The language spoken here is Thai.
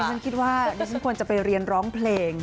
ฉันคิดว่าดิฉันควรจะไปเรียนร้องเพลง